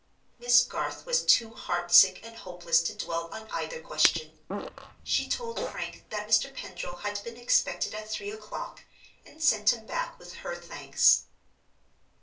Miss Garth was too heart sick and hopeless to dwell on either question. She told Frank that Mr. Pendril had been expected at three o'clock, and sent him back with her thanks.